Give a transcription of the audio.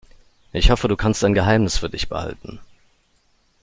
Ich hoffe, du kannst ein Geheimnis für dich behalten.